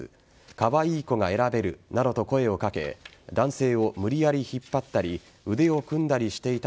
カワイイ子が選べるなどと声をかけ男性を無理やり引っ張ったり腕を組んだりしていた